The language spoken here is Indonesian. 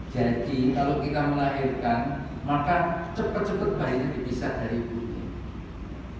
jadi kalau kita melahirkan maka cepat cepat bayinya dipisah dari ibunya